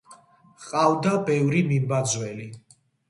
ჰყავდა ბევრი მიმბაძველი.